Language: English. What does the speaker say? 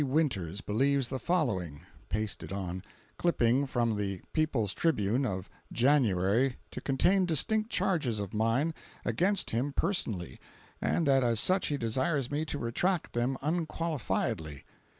Winters believes the following (pasted on) clipping from the PEOPLE'S TRIBUNE of January to contain distinct charges of mine against him personally, and that as such he desires me to retract them unqualifiedly.